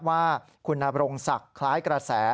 ว่าคุณนบรงศักดิ์คล้ายกระแส